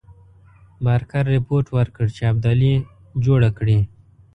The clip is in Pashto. بارکر رپوټ ورکړ چې ابدالي جوړه کړې.